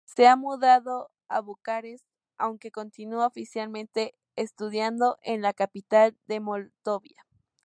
Se ha mudado a Bucarest, aunque continua oficialmente estudiando en la capital de Moldavia.